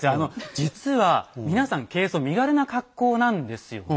実は皆さん軽装身軽な格好なんですよね。